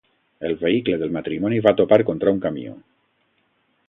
El vehicle del matrimoni va topar contra un camió.